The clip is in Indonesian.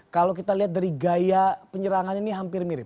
kalau kita lihat dari gaya penyerangan ini hampir mirip